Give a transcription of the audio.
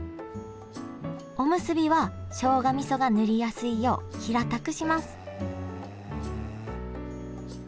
おむすびはしょうがみそが塗りやすいよう平たくします